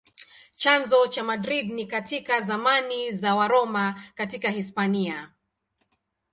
Chanzo cha Madrid ni katika zamani za Waroma katika Hispania.